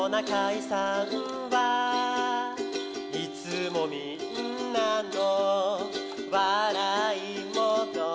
「いつもみんなのわらいもの」